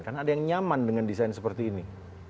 karena ada yang nyaman dengan desain seperti ini